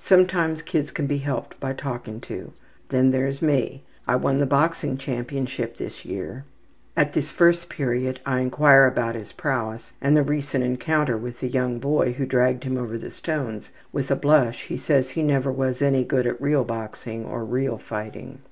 Sometimes kids can be helped by talking to. Then there is me. I won the boxing championship this year.'' (At this period I enquire about his prowess and the recent encounter with the young boy who dragged him over the stones. With a blush he says he never was any good at real boxing or real fighting.)